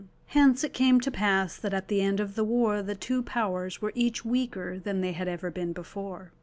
Hence it came to pass that at the end of the war the two powers were each weaker than they had ever been before.